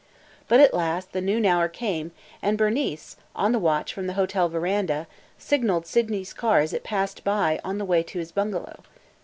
But at last the noon hour came, and Bernice, on the watch from the hotel veranda, signaled Sydney's car as it passed by on the way to his bungalow.